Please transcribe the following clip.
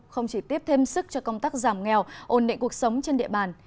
không chỉ tiếp thêm sức cho công tác giảm nghèo ổn định cuộc sống trên địa bàn